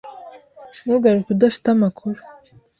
Ntugaruke udafite amakuru.